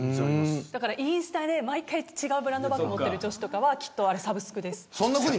だからインスタで毎回、違うブランドバッグを持ってる女子はあれ、全員サブスクです。